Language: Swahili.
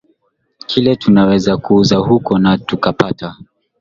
kile tunaweza kuuza huko na tukapata